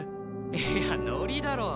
いやノリだろ。